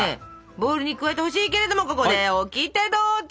ボウルに加えてほしいけれどもここでオキテどうぞ！